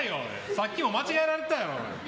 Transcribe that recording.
さっきも間違えられてたやろ。